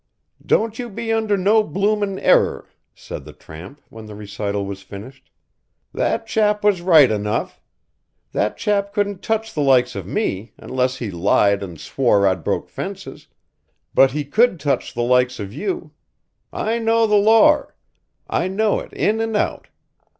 "Don't you be under no bloomin' error," said the tramp, when the recital was finished. "That chap was right enough. That chap couldn't touch the likes of me, unless he lied and swore I'd broke fences, but he could touch the likes of you. I know the Lor. I know it in and out.